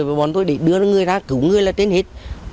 và bọn tôi để đưa người ra cứu người là trên hết